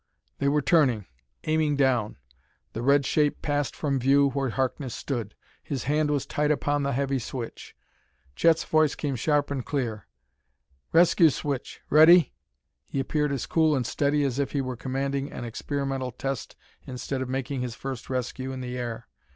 They were turning; aiming down. The red shape passed from view where Harkness stood. His hand was tight upon the heavy switch. Chet's voice came sharp and clear: "Rescue switch ready?" He appeared as cool and steady as if he were commanding on an experimental test instead of making his first rescue in the air.